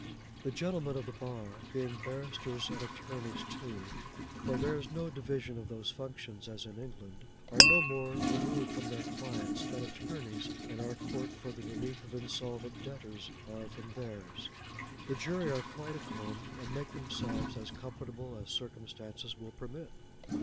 The gentlemen of the bar being barristers and attorneys too (for there is no division of those functions as in England) are no more removed from their clients than attorneys in our Court for the Relief of Insolvent Debtors are, from theirs. The jury are quite at home, and make themselves as comfortable as circumstances will permit.